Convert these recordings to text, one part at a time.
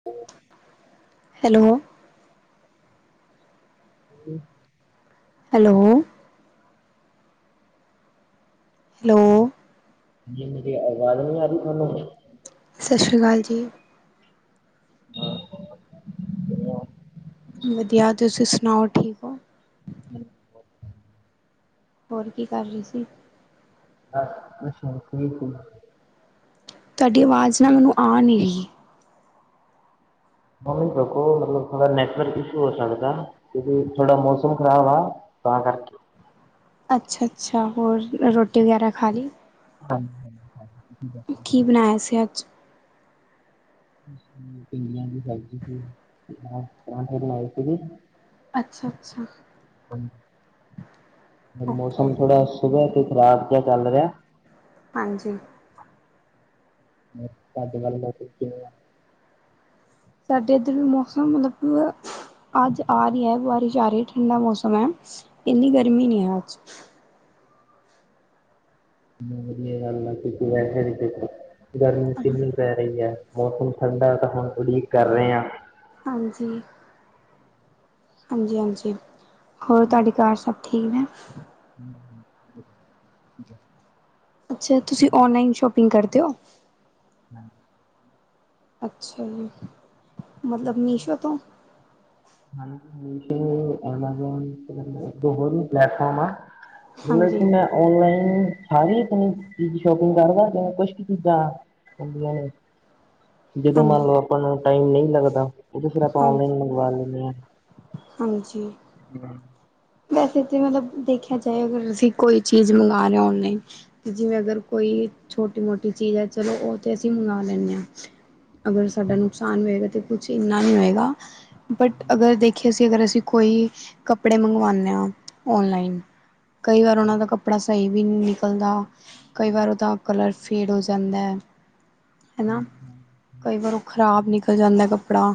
[inaudible] Hello ਹਮ hello hello ਅਵਾਜ ਨੀ ਆ ਰੀ ਥਾਨੂੰ। ਸ਼ਾਸਰੀ ਕਾਲ ਜੀ। ਵਧੀਆ ਤੁਸੀਂ ਸੁਣਾਓ ਠੀਕ ਓ? [inaudible] ਹੋਰ ਕੀ ਕਰ ਰਏ ਸੀ। ਕੁੱਛ ਨਹੀਂ ਫ੍ਰੀ ਸੀ ਤਾਡੀ ਆਵਾਜ਼ ਨਾ ਮੈਨੂੰ ਆ ਨੀ ਰਈ। ਮੰਮੀ ਵੇਖੋ ਮਤਲਬ ਥੋੜਾ ਨੈਟਵਰਕ ਇਸ਼ੂ ਹੋ ਸਕਦਾ। ਕਿਉਂਕਿ ਥੋੜਾ ਮੌਸਮ ਖਰਾਬ ਆ। ਤਾਂ ਕਰਕੇ ਅੱਛਾ -ਅੱਛਾ ਹੋਰ ਰੋਟੀ ਵਗੈਰਾ ਖਾ ਲੀ। ਹਾਂਜੀ ਹਾਂਜੀ ਕੀ ਬਣਾਇਆ ਸੀ ਅੱਜ? ਪਿੰਡੀਆ ਦੀ ਸਬਜ਼ੀ ਸੀ ਨਾਲ ਪਰਾਂਠੇ ਬਣਾਏ ਸੀਗੇ। ਅੱਛਾ ਅੱਛਾ ਹੁਣ ਓਕੇ ਮੌਸਮ ਥੋੜਾ- ਸੁਬਾ ਸੇ ਖਰਾਬ ਜਿਆ ਚੱਲ ਰਿਆ। ਹਾਂਜੀ ਤਾਡੇ ਵਲ ਮੌਸਮ ਕਿਵੇਂ ਆ। ਸਾਡੇ ਏਧਰ ਵੀ ਮੌਸਮ ਮਤਬ- ਅੱਜ ਆ ਰੀ ਐ ਬਾਰਿਸ਼ ਆ ਰੀ ਠੰਡਾ ਮੌਸਮ ਐ। ਏਨੀ ਗਰਮੀ ਨੀ ਐ ਅੱਜ। ਕਿੰਨੀ ਵਧੀਆ ਗੱਲ ਐ। ਕਿਉਕਿ ਵੈਸੇ ਵੀ ਗਰਮੀ ਕਿੰਨੀ- ਪੈ ਰਹੀ ਐ। ਮੌਸਮ ਠੰਡਾ ਤਾਂ ਹੁਣ ਉਡੀਕ ਕਰ ਰਏ ਹਾਂ। ਹਾਂਜੀ ਹਾਂਜੀ ਹਾਂਜੀ ਹੋਰ ਤਾਡੇ ਘਾਰ ਸਭ ਠੀਕ ਐ। [inaudible] ਅੱਛਾ ਤੁਸੀਂ ਔਨਲਾਈਨ ਸ਼ੋਪਿੰਗ ਕਰਦੇ ਓ? ਹਾਂਜੀ ਅੱਛਾ ਜੀ ਮਤਲਬ ਮੀਸ਼ੋ [inaudible] [inaudible] ਹਾਂਜੀ ਹੁਣ ਤੇ ਐਮਜ਼ੋਨ ਇੱਕ ਦੋ ਹੋਰ ਵੀ ਪਲੇੈਟਫੋਰਮ ਆ। ਬੋਲੋ ਹਾਂਜੀ, ਕੀ ਮੈਂ ਓਨਲਾਈਨ ਸਾਰੀ ਆਪਣੀ ਚੀਜ਼ ਸ਼ੋਪਿੰਗ ਕਰਦਾ ਜਿਵੇਂ ਕੁਛ ਕੁ ਚੀਜ਼ਾਂ- ਹੁੰਦੀਆਂ ਨੇ। ਜਦੋਂ ਮੰਨ ਹਾਂਜੀ, ਲਓ ਆਪਾਂ ਨੂੰ ਟਾਈਮ ਨਹੀਂ ਲੱਗਦਾ। ਓਦੋਂ ਫਿਰ ਆਪਾਂ ਹਾਂਜੀ, ਔਨਲਾਈਨ ਮੰਗਵਾ ਲੈਂਨੇ ਹਾਂਜੀ। ਆਂ। ਵੈਸੇ ਤਾਂ ਮਤਲਬ ਦੇਖਿਆ ਜਾਏ ਅਗਰ ਤੁਸੀਂ ਕੋਈ ਚੀਜ਼ ਮੰਗਾ ਰੇ ਓ ਔਨਲਾਈਨ- ਕਿ ਜਿਵੇਂ ਅਗਰ ਕੋਈ ਛੋਟੀ- ਮੋਟੀ ਚੀਜ਼ ਹੈ ਚਲੋ ਉਹ ਤਾਂ ਅਸੀਂ ਮੰਗਵਾ ਲੈਂਦੇ ਹਾਂ। ਅਗਰ ਸਾਡਾ ਨੁਕਸਾਨ ਹੋਏਗਾ। ਤਾਂ ਕੁਛ ਇੰਨਾ ਨਹੀਂ ਹੋਏਗਾ। ਬਟ ਅਗਰ ਦੇਖਿਆਸੀ ਅਗਰ ਅਸੀਂ ਕੋਈ ਕੱਪੜੇ ਮੰਗ ਉਂ ਹ ਔਨਲਾਈਨ। ਕਈ ਵਾਰ ਉਹਨਾਂ ਦਾ ਕੱਪੜਾ ਸਹੀ ਵੀ ਨਹੀਂ ਨਿਕਲਦਾ। ਕਈ ਵਾਰ ਉਹਦਾ ਕਲਰ ਫੇਡ ਹੋ ਜਾਂਦਾ ਹੈ। ਹੈਨਾ। ਕਈ ਵਾਰ ਉਹ ਖ਼ਰਾਬ ਨਿਕਲ ਜਾਂਦਾ ਕੱਪੜਾ।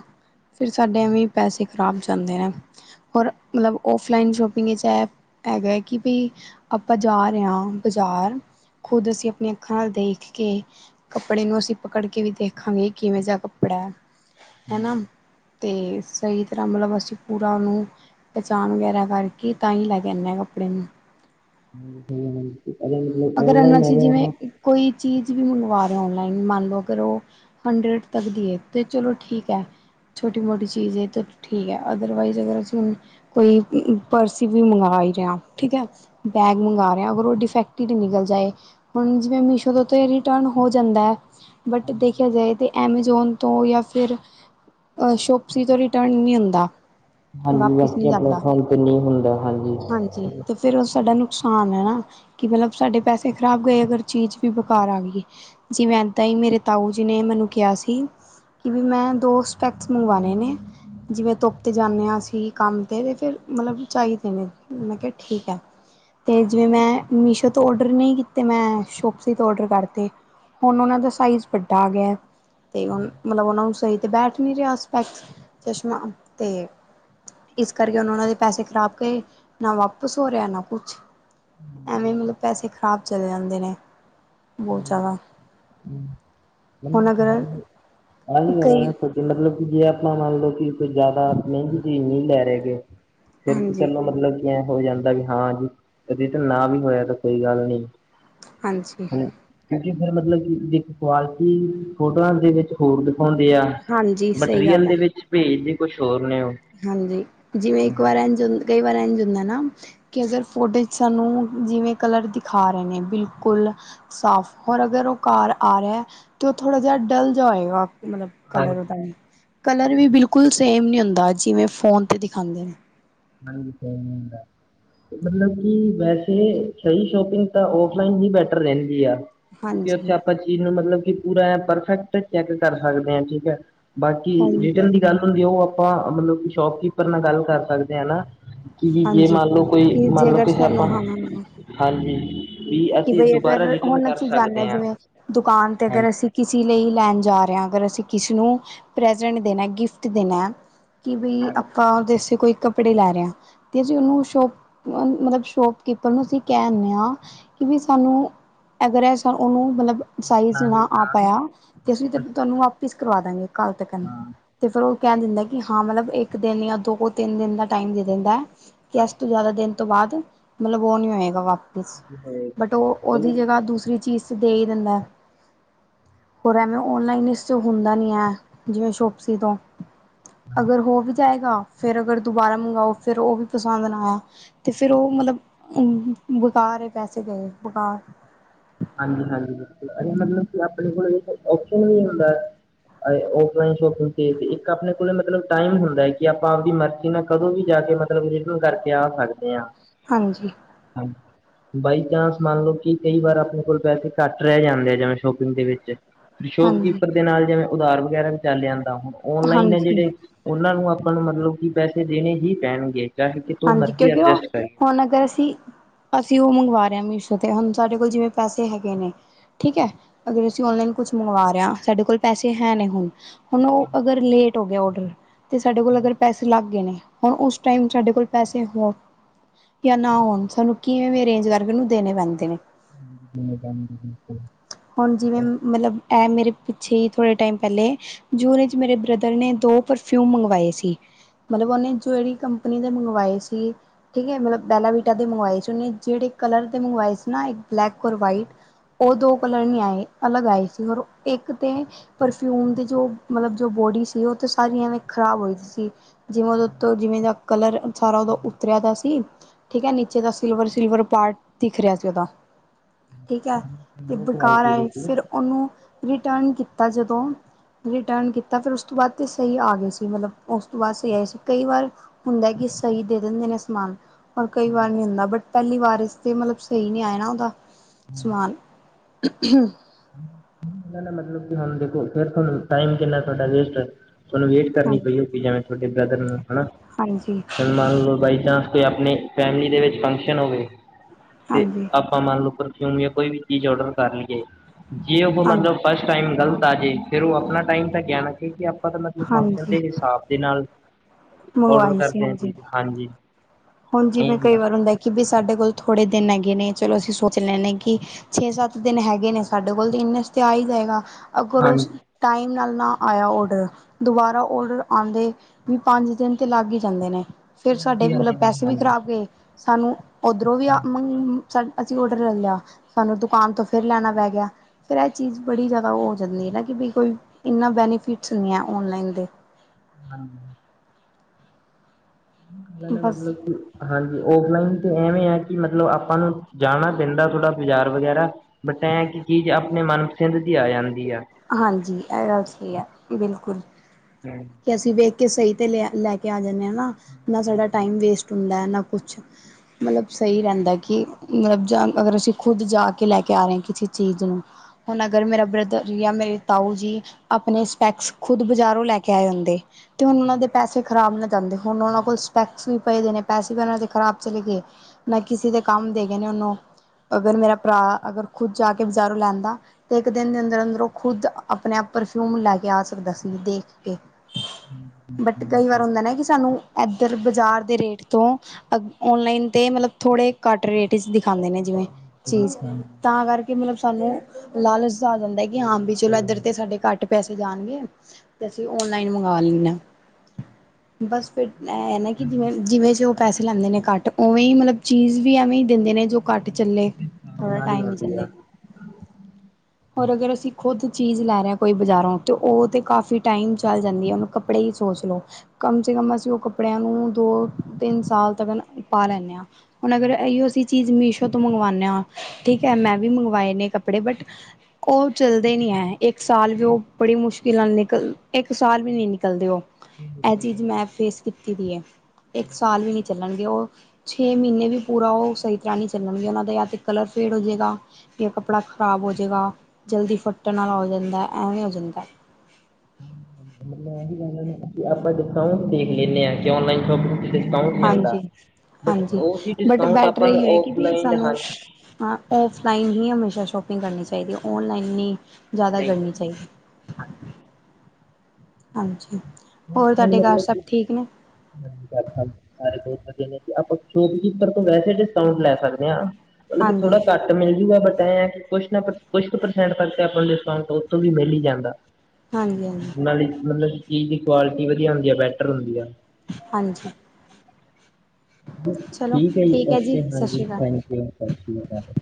ਫਿਰ ਸਾਡੇ ਐਵੇਂ ਪੈਸੇ ਖ਼ਰਾਬ ਜਾਂਦੇ ਨੇ ਹੋਰ ਮਤਲਬ ਔਫਲਾਈਨ ਸ਼ੋਪਿੰਗ ਵਿੱਚ ਐਪ ਹੈਗਾ ਹੈ। ਕਿ ਬਈ ਆਪਾਂ ਜਾ ਰਹੇ ਹਾਂ ਬਜ਼ਾਰ ਖੁਦ ਅਸੀਂ ਆਪਣੀਆਂ ਅੱਖਾਂ ਨਾਲ ਦੇਖ ਕੇ ਕੱਪੜੇ ਨੂੰ ਅਸੀਂ ਪਕੜ ਕੇ ਵੀ ਦੇਖਾਂਗੇ ਕਿਵੇਂ ਜਿਹਾ ਕੱਪੜਾ ਹੈ। ਹਨਾ। ਤੇ ਸਹੀ ਤਰ੍ਹਾਂ ਮਤਲਬ ਅਸੀਂ ਪੂਰਾ ਉਹਨੂੰ ਸ਼ਾਨ ਵਗੈਰਾ ਕਰਕੇ ਤਾਂ ਹੀ ਲੈ ਕੇ ਆਉਂਦੇ ਹਾਂ ਕੱਪੜੇ ਨੂੰ। ਹਮ- ਹਮ -ਹਮ ਅਗਰ ਹੁਣ ਅਸੀਂ ਜਿਵੇਂ, ਕੋਈ, ਚੀਜ਼ ਵੀ ਮੰਗਵਾ ਰਹੇ ਔਨਲਾਈਨ, ਮੰਨ ਲਓ। ਅਗਰ ਉਹ ਹੰਡਰਡ ਤੱਕ ਦੇਏ ਅਤੇ ਚਲੋ ਠੀਕ ਹੈ। ਛੋਟੀ- ਮੋਟੀ ਚੀਜ਼ ਇਹ ਤਾਂ ਠੀਕ ਹੈ। ਅਦਰਵਾਈਜ਼ ਅਗਰ ਅਸੀਂ ਕੋਈ ਪਰਸ ਵੀ ਮੰਗਵਾ ਹੀ ਰਿਹਾ ਠੀਕ ਹੈ। ਬੈਗ ਮੰਗਵਾ ਰਿਹਾ, ਅਗਰ ਉਹ ਡਿਫੈਕਟ ਢਿੱਟ ਨਿਕਲ ਜਾਏ ਹੁਣ ਜਿਵੇਂ ਮੀਸ਼ੋ ਤੋਂ ਤਾਂ ਇਹ ਰਿਟਰਨ ਹੋ ਜਾਂਦਾ ਹੈ। ਬਟ ਦੇਖਿਆ ਜਾਏ ਤਾਂ ਐਮਾਜ਼ੋਨ ਤੋਂ ਜਾਂ ਫਿਰ ਸ਼ੋਪਸੀ ਤੋਂ ਰਿਟਰਨ ਨਹੀਂ ਹੁੰਦਾ। ਹਾਂਜੀ ਵਾਪਿਸ ਨਹੀਂ ਬਾਕੀਆਂ ਜਾਂਦਾ ਪਲੇੈਟਫੋਮ ਤੇ ਨਹੀਂ ਹੁੰਦਾ। ਹਾਂਜੀ। ਫਿਰ ਉਹ ਸਾਡਾ ਨੁਕਸਾਨ ਹੈ ਨਾ। ਕਿ ਮਤਲਬ ਸਾਡੇ ਪੈਸੇ ਖ਼ਰਾਬ ਗਏ ਅਗਰ ਚੀਜ਼ ਵੀ ਬਕਾਰਾਰ ਆ ਗਈ। ਜਿਵੇੈਂ ਇੱਦਾਂ ਹੀ ਮੇਰੇ ਤਾਊ ਜੀ ਨੇ ਮੈਨੂੰ ਕਿਹਾ ਸੀ। ਕਿਉਕ ਮੈਂ ਦੋ ਸਪੈਕਸ ਮੰਗਵਾਣੇ ਨੇ। ਜਿਵੇਂ ਧੁੱਪ 'ਤੇ ਜਾਂਦੇ ਹਾਂ ਅਸੀਂ ਕੰਮ 'ਤੇ ਅਤੇ ਫਿਰ ਮਤਲਬ ਚਾਹੀਦੇ ਨੇ। ਮੈ ਕਿਹਾ ਠੀਕ ਹੈ। ਤੇ ਜਿਵੇਂ ਮੈਂ ਮੀਸ਼ੋ ਤੋਂ ਆਡਰ ਨਹੀਂ ਕੀਤੇ ਮੈਂ ਸ਼ੋਪਸੀ ਤੋਂ ਆਡਰ ਕਰਤੇ ਹੁਣ ਉਹਨਾਂ ਦਾ ਸਾਈਜ਼ ਵੱਡਾ ਆ ਗਿਆ। ਤੇ ਮਤਲਬ ਉਹਨਾਂ ਨੂੰ ਸਹੀ ਤੇ ਬੈਠ ਨਹੀਂ ਰਿਹਾਪੈਸਪੈਕਸ। ਚਸ਼ਮਾ ਤੇ ਇਸ ਕਰਕੇ ਉਹਣ ਉਹਨਾਂ ਦੇ ਪੈਸੇ ਖ਼ਰਾਬ ਗਏ ਨਾ ਵਾਪਿਸ ਹੋ ਰਿਹਾ ਨਾ ਕੁਛ। ਐਵੇਂ ਮਤਲਬ ਪੈਸੇ ਖ਼ਰਾਬ ਚਲੇ ਜਾਂਦੇ ਨੇ। ਬਹੁਤ ਹਾਂਜੀ, ਜ਼ਿਆਦਾ ਹਮ, ਮੈਨੂੰ ਹੁਣ ਅਗਰ ਆਹੀ ਕਈ ਗੱਲ ਮਤਲਬ ਕਿ ਜੇ ਆਪਾਂ ਮੰਨ ਲਓ ਕਿ ਕੋਈ ਜ਼ਿਆਦਾ ਮਹਿੰਗੀ ਚੀਜ਼ ਨਹੀਂ ਲੈ ਰਹੇ ਗ। ਫਿਰ ਹਾਂਜੀ ਚਲੋ ਮਤਲਬ ਕਿ ਐਂ ਹੋ ਜਾਂਦਾ ਵੀ ਹਾਂ ਜੀ ਰਿਟਰਨ ਨਾ ਵੀ ਹੋਇਆ ਤਾਂ ਕੋਈ ਗੱਲ ਨਹੀਂ। ਹਾਂਜੀ। ਹੁਣ ਕਿਉਂਕਿ ਫਿਰ ਮਤਲਬ ਕਿ ਦੇਖੋ ਕੁਆਲਿਟੀ, ਫੋਟੋਆਂ ਦੇ ਵਿੱਚ ਹੋਰ ਹੁੰਦੇ ਆ। ਹਾਂਜੀ ਸਹੀ ਮਟੀਰੀਅਲ ਗੱਲ ਹੈ ਦੇ ਵਿੱਚ ਭੇਜਦੇ ਕੁਛ ਹੋਰ ਨੇ ਉਹ। ਹਾਂਜੀ, ਜਿਵੇਂ ਇੱਕ ਹਮ ਵਾਰ ਇ ਕਈ ਵਾਰ ਇਂਝ ਹੁੰਦਾ ਨਾ। ਕਿ ਅਗਰ ਫੋਟੋ 'ਚ ਸਾਨੂੰ ਜਿਵੇਂ ਕਲਰ ਦਿਖਾ ਰਹੇ ਨੇ ਬਿਲਕੁਲ ਸਾਫ ਹੋਰ ਅਗਰ ਉਹ ਘਰ ਆ ਰਿਹਾ ਹੈ ਤੇ ਉਹ ਥੋੜਾ ਜਿਹਾ ਡਲ ਹੋਵੇਗਾ। ਮਤਲਬ ਹਾਂਜੀ ਕਲਰ, ਕਲਰ ਵੀ ਬਿਲਕੁਲ ਸੇਮ ਨੀ ਹੁੰਦਾ ਜਿਵੇਂ ਫੋਨ ਤੇ ਦਿਖਾਉਂਦੇ ਨੇ। ਪਤਾ ਨਹੀ ਕੋਣ ਹੁੰਦਾ। ਮਤਲਬ ਕਿ ਵੈਸੇ ਸਹੀ ਸ਼ੋਪਿੰਗ ਤਾਂ ਔਫਲਾਈਨ ਹੀ ਬੈਟਰ ਰਹਿੰਦੀ ਆ। ਕਿਉਂਕਿ ਹਾਂਜੀ ਉੱਥੇ ਆਪਾਂ ਚੀਜ਼ ਨੂੰ ਮਤਲਬ ਕਿ ਪੂਰਾ ਪਰਫੈਕਟ ਚੈੱਕ ਕਰ ਸਕਦੇ ਹਾਂ ਠੀਕ ਹੈ। ਬਾਕੀ ਹਾਂਜੀ ਰਿਟਰਨ ਦੀ ਗੱਲ ਹੁੰਦੀ ਉਹ ਆਪਾਂ ਮਤਲਬ ਸ਼ੋਪਕੀਪਰ ਨਾਲ ਗੱਲ ਕਰ ਸਕਦੇ ਹਾਂ ਨਾ। ਕਿ ਜ ਜੇ ਹਾਂਜੀ ਮੰਨ ਲਓ, ਕੋਈ ਕਿ ਮੰਨ ਲਓ ਜੇਕਰ ਕਿਸ ਆਪਾਂ, ਸਾਨੂੰ ਹਾਂ ਹਾਂਜੀ। ਵੀ ਕਿ ਅਸੀਂ ਬਈ ਦੁਬਾਰਾ ਅਗਰ ਰਿਟਰਨ ਹੁਣ ਕਰ ਅਸੀਂ ਜਾਂਦੇ ਹਾਂ ਸਕਦੇ ਜਿਵੇਂ ਦੁਕਾਨ ਤੇ ਹਾਂਜੀ ਅਗਰ ਅਸੀਂ ਕਿਸੇ ਲਈ ਲੈਣ ਜਾ ਰਹੇ ਹਾਂ ਅਗਰ ਅਸੀਂ ਕਿਸ ਨੂੰ ਪ੍ਰੈਜੈਂਟ ਦੇਣਾ ਗਿਫਟ ਦੇਣਾ ਕਿ ਬਈ ਹਾਂ ਆਪਾਂ ਦੇਸੇ ਕੋਈ ਕੱਪੜੇ ਲੈ ਰਹੇ ਹਾਂ ਤੇ ਅਸੀਂ ਉਹਨੂੰ ਸ਼ੋਪ ਮਤਲਬ ਸ਼ੋਪਕੀਪਰ ਨੂੰ ਅਸੀਂ ਕਹਿ ਦਦੇ ਹਾਂ ਕਿ ਵੀ ਸਾਨੂੰ ਅਗਰ ਸੂੰ ਉਹਨੂੰ ਮਤਲਬ ਸਾਈਜ਼ ਹੀ ਨਾ ਆ ਹਾਂ ਪਾਇਆ ਤੇ ਅਸੀਂ ਤੁਹਾਨੂੰ ਵਾਪਿਸ ਕਰਵਾ ਦਾਂਗੇ ਕੱਲ ਤੱਕ ਤੇ ਫਿਰ ਉਹ ਕਹਿ ਦਿੰਦਾ ਹੈ ਕਿ ਹਾਂ ਮਤਲਬ ਇੱਕ ਦਿਨ ਜਾਂ ਦੋ- ਤਿੰਨ ਦਿਨ ਦਾ ਟਾਈਮ ਦੇ ਦਿੰਦਾ ਹੈ। ਕਿ ਇਸ ਤੋਂ ਜ਼ਿਆਦਾ ਦਿਨ ਤੋਂ ਬਾਅਦ ਮਤਲਬ ਉਹ ਨੀ ਹੋਏ ਗਾ ਵਾਪਿਸ। ਬਟ ਉਹ ਉਹਦੀ ਹੋਏ ਜਗ੍ਹਾ ਦੂਸਰੀ ਚੀਜ਼ ਦੇ ਹੀ ਦਿੰਦਾ ਹੈ। ਹੋਰ ਐਵੇਂ ਓਨਲਾਈਨ ਇਸ ਚ ਹੁੰਦਾ ਨੀ ਹੈ ਜਿਵੇਂ ਸ਼ੋਪਸੀ ਤੋਂ ਅਗਰ ਹੋ ਵੀ ਜਾਏਗਾ ਫਿਰ ਅਗਰ ਦੁਬਾਰਾ ਮੰਗਾਓ ਫਿਰ ਉਹ ਵੀ ਪਸੰਦ ਨਾ ਆਇਆ ਤੇ ਫਿਰ ਉਹ ਮਤਲਬ ਬੇਕਾਰ ਪੈਸੇ ਗਏ ਬੇਕਾਰ ਹਾਂਜੀ ਹਾਂਜੀ ਬਿਲਕੁਲ ਇਹ ਮਤਲਬ ਆਪਣੇ ਕੋਲ ਓਪਸ਼ਨ ਵੀ ਹੁੰਦਾ ਆਫਲਾਇੰਨ ਸ਼ੋਪਿੰਗ ਤੇ ਇੱਕ ਆਪਣੇ ਕੋਲ ਮਤਲਬ ਟਾਈਮ ਹੁੰਦਾ ਹੈ ਕਿ ਆਪਾਂ ਆਪਦੀ ਮਰਜ਼ੀ ਨਾਲ ਕਦੋਂ ਵੀ ਜਾ ਕੇ [unintelligible] ਮਤਲਬ ਵਿਟੂ ਕਰਕੇ ਆ ਸਕਦੇ ਹਾਂ ਹਾਂ ਜੀ ਹਾਂਜੀ ਬਾਈ ਚਾਂਸ ਮੰਨ ਲਓ ਕਿ ਕਈ ਵਾਰ ਆਪਣੇ ਕੋਲ ਪੈਸੇ ਘੱਟ ਰਹਿ ਜਾਂਦੇ ਆ ਜਿਵੇਂ ਸ਼ੋਪਿੰਗ ਦੇ ਵਿੱਚ ਹਾਂਜੀ ਸ਼ੋਪਕੀਪਰ ਦੇ ਨਾਲ ਜਿਵੇਂ ਉਧਾਰ ਵਗ਼ੈਰਾ ਚਲ ਜਾਂਦਾ ਹੁਣ ਆਨਲਾਈਨ ਹੈ ਹਾਂਜੀ ਜਿਹੜੇ ਉਹਨਾਂ ਨੂੰ ਆਪਾਂ ਨੂੰ ਮਤਲਬ ਕਿ ਪੈਸੇ ਦੇਣੇ ਹੀ ਪੈਣਗੇ ਚਾਹੇ ਕਿਤੋਂ ਹਾਂਜੀ ਮਰਜ਼ੀ ਕਿਉਂਕਿ ਉਹ ਐਡਜਸਟ ਹੁਣ ਅਗਰ ਅਸੀਂ ਅਸੀਂ ਉਹ ਮੰਗਵਾ ਰਹੇ ਹਾਂ ਮੀਸ਼ੋ ਤੇ ਹੁਣ ਸਾਡੇ ਕੋਲ ਜਿਵੇਂ ਪੈਸੇ ਹੈਗੇ ਨੇ ਠੀਕ ਹੈ ਅਗਰ ਅਸੀਂ ਆਨਲਾਈਨ ਕੁਝ ਮੰਗਵਾ ਰਹੇ ਹਾਂ ਸਾਡੇ ਕੋਲ ਪੈਸੇ ਹੈ ਨੇ ਹੁਣ ਹੁਣ ਉਹ ਅਗਰ ਲੇਟ ਹੋ ਗਿਆ ਆਰਡਰ ਤੇ ਸਾਡੇ ਕੋਲ ਅਗਰ ਪੈਸੇ ਲੱਗ ਗਏ ਨੇ ਹੁਣ ਉਸ ਟਾਈਮ ਸਾਡੇ ਕੋਲ ਪੈਸੇ ਹੋਣ ਜਾਂ ਨਾ ਹੋਣ ਸਾਨੂੰ ਕਿਵੇਂ ਅਰੇਂਝ ਕਰਕੇ ਓਹਨੂੰ ਦੇਣੇ ਪੈਂਦੇ ਨੇ ਹਾਂਜੀ ਹੁਣ ਜਿਵੇਂ ਮਤਲਬ ਇਹ ਮੇਰੇ ਪਿੱਛੇ ਹੀ ਥੋੜ੍ਹੇ ਟਾਇਮ ਪਹਿਲੇ ਜੂਨ ਵਿੱਚ ਮੇਰੇ ਬ੍ਰਦਰ ਨੇ ਦੋ ਪਰਫੁਮ ਮੰਗਵਾਏ ਸੀ ਮਤਲਬ ਉਹਨੇ ਜਹੜੀ ਕੰਪਨੀ ਦੇ ਮੰਗ ਪਏ ਸੀ ਠੀਕ ਹੈ ਮਤਲਬ ਬੇਲਾਵੀਟਾ ਦੇ ਮੰਗਵਾਏ ਸੀ ਉਹਨੇ ਜਿਹੜੇ ਕਲਰ ਦੇ ਮੰਗਵਾਏ ਸੀ ਨਾ ਇੱਕ ਬਲੈਕ ਅਤੇ ਵ੍ਹਾਈਟ ਉਹ ਦੋ ਕਲਰ ਨਹੀਂ ਆਏ ਅਲੱਗ ਆਏ ਸੀ ਇੱਕ ਤੇ ਪਰਫ਼ਯੂਮ ਦੀ ਜੋ ਮਤਲਬ ਜੋ ਬਾਡੀ ਸੀ ਉਹ ਤਾਂ ਸਾਰੀ ਇਵੇਂ ਖ਼ਰਾਬ ਹੋਈ ਸੀ ਜਿਵੇਂ ਉਹਦੇ ਉੱਤੋਂ ਜਿਵੇਂ ਦਾ ਕਲਰ ਸਾਰਾ ਉਹਦਾ ਉਤਰਿਆ ਸੀ ਸੀ ਠੀਕ ਹੈ ਨੀਚੇ ਦਾ ਸਿਲਵਰ ਸਿਲਵਰ ਪਾਰਟ ਦਿੱਖ ਰਿਹਾ ਸੀ ਉਹਦਾ ਠੀਕ ਹੈ ਤੇ ਬੇਕਾਰ ਆਏ ਫਿਰ ਉਹਨੂੰ ਰਿਟਰਣ ਕੀਤਾ ਜਦੋਂ ਰਿਟਰਣ ਕੀਤਾ ਫਿਰ ਉਸ ਤੋਂ ਬਾਅਦ ਤਾਂ ਸਹੀ ਆ ਗਏ ਸੀ ਮਤਲਬ ਉਸ ਤੋਂ ਬਾਅਦ ਸਹੀ ਆਏ ਸੀ ਕਈ ਵਾਰ ਹੁੰਦਾ ਹੈ ਕੀ ਸਹੀ ਦੇ ਦਿੰਦੇ ਨੇ ਸਮਾਨ ਪਰ ਕਈ ਵਾਰ ਨਹੀਂ ਹੁੰਦਾ ਬਟ ਪਹਿਲੀ ਵਾਰ ਇਸ ਤੇ ਮਤਲਬ ਸਹੀ ਨਹੀਂ ਆਇਆ ਨਾ ਉਸਦਾ ਸਮਾਨ ਹੁ ਮਤਲਬ ਕਿ ਹੁਣ ਦੇਖੋ ਤੁਹਾਨੂੰ ਟਾਈਮ ਕਿੰਨਾ ਤੁਹਾਡਾ ਵੇਸਟ ਹੈ ਤੁਹਾਨੂੰ ਵੇਟ ਕਰਨੀ ਹਾਂਜੀ ਪਈ ਹੋਗੀ ਜਿਵੇਂ ਤੁਹਾਡੇ ਭਰਾ ਨੂੰ ਹਨਾ ਹਾਂਜੀ ਮੰਨ ਲਓ ਬਾਈ ਚਾਂਸ ਕੋਈ ਆਪਣੇ ਫੈਮਿਲੀ ਦੇ ਵਿੱਚ ਫੰਕਸ਼ਨ ਹੋਵੇ ਤੇ ਹਾਂਜੀ ਆਪਾਂ ਮੰਨ ਲਓ ਪਰਫਿਊਮ ਜਾਂ ਕੋਈ ਵੀ ਚੀਜ਼ ਆਰਡਰ ਕਰ ਲਾਈਏ ਜੇ ਉਹ ਹਾਂ ਮਤਲਬ ਫਰਸਟ ਟਾਈਮ ਗਲਤ ਆ ਜਾਵੇਂ ਫਿਰ ਉਹ ਆਪਣਾ ਟਾਈਮ ਤਾਂ ਗਿਆ ਨਾ ਕੀ ਆਪਾਂ ਤਾਂ ਮਤਲਬ ਫੰਕਸ਼ਨ ਦੇ ਹਿਸਾਬ ਦੇ ਨਾਲ ਔਡਰ ਮੰਗਵਾਏ ਸੀ ਕਰਦੇ ਹਾਂ ਹਾਂਜੀ ਚੀਜ਼ ਹਾਂਜੀ ਹੁਣ ਜਿਵੇਂ ਕਈ ਵਾਰ ਹੁੰਦਾ ਕਿ ਵੀ ਸਾਡੇ ਕੋਲ ਥੋੜੇ ਦਿਨ ਹੈਗੇ ਨੇ ਚਲ ਅਸੀਂ ਸੋਚ ਲੈਣੇ ਹਾਂ ਕਿ ਛੇ ਸੱਤ ਦਿਨ ਹੈਗੇ ਨੇ ਸਾਡੇ ਕੋਲ ਤਾਂ ਇਹਨੇ ਚ ਤਾਂ ਆ ਹੀ ਜਾਏਗਾ ਅਗਰ ਉਹ ਹਾਂਜੀ ਟਾਈਮ ਨਾਲ ਨਾ ਆਇਆ ਆਰਡਰ ਦੁਬਾਰਾ ਆਰਡਰ ਆਉਂਦੇ ਵੀ ਪੰਜ ਦਿਨ ਤੇ ਲੱਗ ਹੀ ਜਾਂਦੇ ਨੇ ਫਿਰ ਸਾਡੇ ਵਧੀਆ ਨੇ। ਮਤਲਬ ਪੈਸੇ ਵੀ ਹਾਂਜੀ ਖਰਾਬ ਗਏ ਸਾਨੂੰ ਓਧਰੋਂ ਵੀ ਅਸੀਂ ਆਰਡਰ ਲੈ ਲਿਆ ਸਾਨੂੰ ਦੁਕਾਨ ਤੋਂ ਫਿਰ ਲੈਣਾ ਪੈ ਗਿਆ ਫਿਰ ਇਹ ਚੀਜ਼ ਬੜੀ ਜਿਆਦਾ ਉਹ ਹੋ ਜਾਂਦੀ ਹੈ ਨਾ ਕਿ ਕੋਈ ਇਹਨਾ ਬੇਨਿਫਿਟ ਨਹੀਂ ਹੈ ਆਨਲਾਈਨ ਦੇ ਹਾਂਜੀ ਨਾ-ਨਾ ਬਸ ਮਤਲਬ ਕਿ ਹਾਂਜੀ ਔਫਲੈਂਨ ਤੇ ਇਵੇਂ ਆ ਕਿ ਮਤਲਬ ਆਪਾਂ ਨੂੰ ਜਾਣਾ ਪੈਂਦਾ ਥੋੜ੍ਹਾ ਬਜ਼ਾਰ ਵਗੈਰਾ ਬਟ ਇਹ ਹੈ ਕਿ ਚੀਜ਼ ਆਪਣੇ ਮਨ [unintelligible] ਹਾਂਜੀ ਇਹ ਗੱਲ ਸਹੀ ਹੈ ਬਿਲਕੁਲ ਕਿ ਅਸੀਂ ਵੇਖ ਕੇ ਸਹੀ ਤੇ ਲੈ ਲੈ ਕੇ ਆ ਜਾਂਦੇ ਹਾਂ ਨਾ ਨਾ ਸਾਡਾ ਟਾਈਮ ਵੇਸਟ ਹੁੰਦਾ ਨਾ ਕੁਛ ਮਤਲਬ ਸਹੀ ਰਹਿੰਦਾ ਕਿ ਮਤਲਬ ਅਗਰ ਅਸੀਂ ਖੁੱਦ ਜਾ ਕੇ ਲੈ ਕੇ ਆ ਰਹੇ ਹਾਂ ਕਿਸੇ ਚੀਜ਼ ਨੂੰ ਹੁਣ ਅਗਰ ਮੇਰਾ ਬਰ ਜਾਂ ਮੇਰੇ ਤਾਊ ਜੀ ਆਪਣੇ ਸਪੈਕਸ ਖੁਦ ਬਾਜ਼ਾਰੋਂ ਲੈ ਕੇ ਆਏ ਹੁੰਦੇ। ਤੇ ਹੁਣ ਉਹਨਾਂ ਦੇ ਪੈਸੇ ਖਰਾਬ ਨਾ ਜਾਂਦੇ ਹੁਣ ਉਹਨਾਂ ਕੋਲ ਟੈਕਸ ਵੀ ਪਏ ਦੇ ਨੇ ਪੈਸੇ ਵੀ ਉਹਨਾਂ ਦੇ ਖ਼ਰਾਬ ਚਲੇ ਗਏ ਨਾ ਕਿਸੇ ਦੇ ਕੰਮ ਦੇ ਗਏ ਨੇ ਉਹਨੂੰ ਅਗਰ ਮੇਰਾ ਭਰਾ ਅਗਰ ਖੁੱਦ ਜਾ ਕੇ ਬਜ਼ਾਰੋਂ ਲੈਂਦਾ ਤੇ ਇੱਕ ਦਿਨ ਦੇ ਅੰਦਰ ਅੰਦਰੋਂ ਉਹ ਖੁਦ ਆਪਣੇ ਆਪ ਪਰਫਿਊਮ ਲੈ ਕੇ ਆ ਸਕਦਾ ਸੀ ਦੇਖ ਕੇ ਬਟ ਕਈ ਵਾਰ ਹੁੰਦਾ ਨਾ ਕਿ ਸਾਨੂੰ ਇੱਧਰ ਬਾਜ਼ਾਰ ਦੇ ਰੇਟ ਤੋਂ ਅ ਔਨਲਾਈਨ ਮਤਲਬ ਥੋੜ੍ਹੇ ਘੱਟ ਰੇਟ ਦਿਖਾਉਂਦੇ ਨੇ ਜਿਵੇਂ ਚੀਜ਼ ਤਾਂ ਕਰਕੇ ਮਤਲਬ ਸਾਨੂੰ ਲਾਲਚ ਆ ਜਾਂਦਾ ਏ। ਹਾਂ ਵੀ ਚਲੋ ਇੱਧਰ ਤੇ ਸਾਡੇ ਘੱਟ ਪੈਸੇ ਜਾਣਗੇ ਤੇ ਅਸੀਂ ਓਨਲਾਈਨ ਮੰਗਵਾ ਲੈਂਣੇ ਆਂ। ਬਸ ਫਿਰ ਨਾ ਕਿ ਜਿਵੇਂ- ਜਿਵੇਂ ਜੋ ਪੈਸੇ ਲੈਂਦੇ ਨੇ ਘੱਟ ਉਵੇਂ ਹੀ ਮਤਲਬ ਚੀਜ਼ ਵੀ ਐਵੇਂ ਹੀ ਦਿੰਦੇ ਨੇ ਜੋ ਘੱਟ ਚੱਲੇ ਥੋੜਾ ਨਾਲ ਟਾਈਮ ਹੀ ਆਉਂਦੀ ਚੱਲੇ ਆ ਹੋਰ ਅਗਰ ਅਸ ਸੀਂ ਖੁਦ ਚੀਜ਼ ਲੈ ਰਿਹਾ ਕੋਈ ਬਜ਼ਾਰੋਂ ਤੇ ਉਹ ਤੇ ਕਾਫੀ ਟਾਈਮ ਚੱਲ ਜਾਂਦੀ ਹੈ ਉਹਨੂੰ ਕੱਪੜੇ ਹੀ ਸੋਚ ਲਓ। ਕੰਮ ਸੇ ਕੰਮ ਅਸੀਂ ਉਹ ਕੱਪੜਿਆਂ ਨੂੰ ਦੋ ਤਿੰਨ ਸਾਲ ਤੱਕ ਪਾ ਲੈਂਣੇ ਆਂ। ਹੁਣ ਅਗਰ ਇਹੀ ਅਸੀ ਚੀਜ਼ ਮੀਸ਼ੋ ਤੋਂ ਮੰਗਵਾਉਂਦੇ ਹਾਂ ਠੀਕ ਹੈ ਮੈਂ ਵੀ ਮੰਗਵਾਏ ਨੇ ਕੱਪੜੇ ਬਟ ਉਹ ਚੱਲਦੇ ਨਹੀ ਹੈ ਇੱਕ ਸਾਲ ਵੀ ਉਹ ਬੜੀ ਮੁਸ਼ਕਿਲ ਨਾਲ ਨਿਕਲ ਇੱਕ ਸਾਲ ਵੀ ਨੀ ਨਿਕਲਦੇ ਉਹ ਇਹ ਚੀਜ਼ ਮੈਂ ਫੇਸ ਕੀਤੀ ਦੀ ਹੈ। ਇੱਕ ਸਾਲ ਵੀ ਨਹੀਂ ਚੱਲਣਗੇ ਉਹ ਛੇ ਮਹੀਨੇ ਵੀ ਪੂਰਾ ਉਹ ਸਹੀ ਤਰ੍ਹਾਂ ਨਹੀਂ ਚੱਲਣਗੇ ਉਹਨਾਂ ਦਾ ਜਾਂ ਤਾਂ ਕਲਰ ਫੇਡ ਹੋ ਜਾਵੇਗਾ। ਜਾਂ ਕੱਪੜਾ ਖ਼ਰਾਬ ਹੋ ਜਾਏਗਾ ਜਲਦੀ ਫੱਟਣ ਨਾਲ ਹੋ ਜਾਂਦਾ ਐਵੇਂ ਹੋ ਜਾਂਦਾ। [unintelligible] ਮਿਲਦਾ ਹਾਂਜੀ- ਬਟ ਹਾਂਜੀ ਉਹੀ ਬਟ ਡਿਸਕਾਊਂਟ ਬੈਟਰ ਆਪਾਂ ਨੂੰ ਇਹੀ ਹੋਏ ਕਿ ਵੀ ਔਫਲਾਈਨ ਸਾਨੂੰ ਹਾਂਜੀ ਹਾਂ ਔਫਲਾਈਨ ਹੀ ਹਮੇਸ਼ਾ ਸ਼ੋਪਿੰਗ ਕਰਨੀ ਚਾਹੀਦੀ ਔਨਲਾਈਨ ਨਹੀ ਜ਼ਿਆਦਾ ਨਹੀਂ ਕਰਨੀ ਚਾਹੀਦੀ। ਹਾਂਜੀ [inaudible] ਹੋਰ ਤੁਹਾਡੇ ਘਰ ਸਭ ਠੀਕ ਨੇ ਸਾਰੇ ਦੋਸਤ ਵ ਨੇ ਜ ਆਪਾਂ ਸ਼ੋਪਕਪਰ ਤੋਂ ਵੈਸੇ ਡਿਸਕਾਊਂਟ ਲੈ ਸਕਦੇ ਹਾਂ। ਮਤਲਬ ਥੋੜਾ ਹਾਂਜੀ ਘੱਟ ਮਿਲਜੂਗਾ ਬਟ ਇਹ ਆ ਕਿ ਕੁਛ ਨਾ ਕੁਛ ਕੁ ਪਰਸੈਂਟ ਕਰਕੇ ਆਪਾਂ ਨੂੰ ਡਿਸਕਾਊਂਟ ਉੱਥੋਂ ਵੀ ਮਿਲ ਹੀ ਜਾਂਦਾ। ਹਾਂਜੀ ਹਾਂਜੀ ਨਾਲ ਮਤਲਬ ਚੀਜ਼ ਦੀ ਕੁਆਲਿਟੀ ਵਧੀਆ ਹੁੰਦੀ ਆ ਬੈਟਰ ਹੁੰਦੀ ਆ। ਹਾਂਜੀ ਚਲੋ ਠੀਕ ਹੈ ਜੀ ਓਕੇ ਸਤਿ ਹਾਂਜੀ ਸ਼੍ਰੀ ਅਕਾਲ ਥੈਂਕ ਯੂ ਸਤਿ ਸ਼੍ਰੀ ਅਕਾਲ।